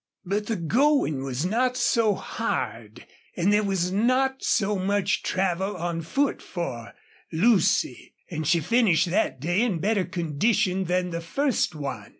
But the going was not so hard there was not so much travel on foot for Lucy and she finished that day in better condition than the first one.